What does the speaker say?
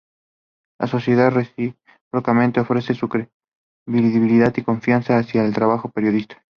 La sociedad, recíprocamente, ofrece su credibilidad y confianza hacia el trabajo del periodista.